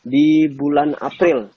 di bulan april